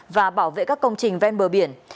và bảo vệ các công trình ven bờ biển